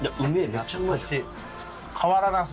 めっちゃうまいじゃん。